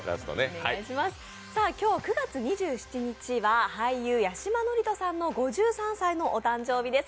今日９月２７日は俳優・八嶋智人さんの５３歳のお誕生日です。